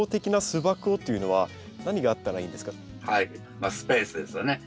まあスペースですよね。